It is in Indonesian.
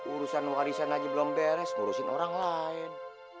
urusan warisan aja belum beres ngurusin orang lain